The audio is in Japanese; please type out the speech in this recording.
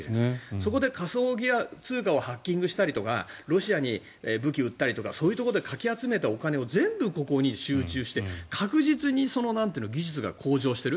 そこで仮想通貨をハッキングしたりとかロシアに武器を売ったりとかそういうところでかき集めたお金を全部、ここに集中して確実に技術が向上している。